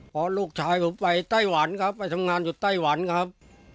เพราะลูกชายผมไปไต้หวันครับไปทำงานอยู่ไต้หวันครับ